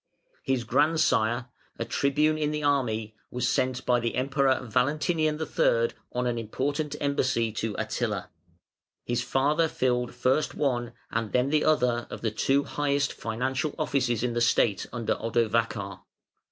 His grandsire, a Tribune in the army, was sent by the Emperor Valentinian III. on an important embassy to Attila. His father filled first one and then the other of the two highest financial offices in the State under Odovacar.